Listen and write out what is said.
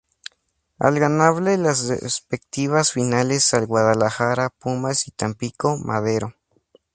Al ganarle las respectivas finales al Guadalajara, Pumas y Tampico-Madero.